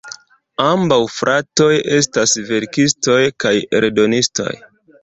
Ambaŭ fratoj estas verkistoj kaj eldonistoj.